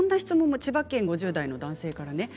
千葉県５０代の男性です。